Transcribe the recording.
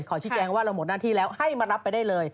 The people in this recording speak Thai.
ชี้แจงว่าเราหมดหน้าที่แล้วให้มารับไปได้เลย